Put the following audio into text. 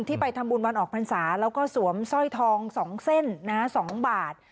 ที่ไปทำบุญวันออกภัณฑาแล้วก็สวมสร้อยทอง๒เส้นน้ำ๒บาท